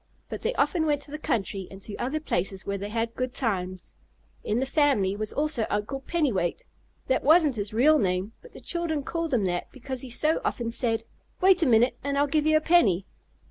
But they often went to the country and to other places where they had good times. In the family was also Uncle Pennywait. That wasn't his real name, but the children called him that because he so often said: "Wait a minute and I'll give you a penny."